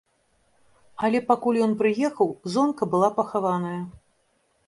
Але пакуль ён прыехаў, жонка была пахаваная.